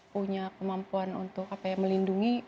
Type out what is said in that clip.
punya kemampuan untuk melindungi